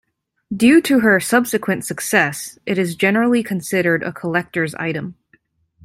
Due to her subsequent success, it is generally considered a collector's item.